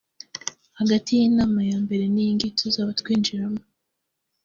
hagati y’inama ya mbere n’iyingiyi tuzaba twinjiramo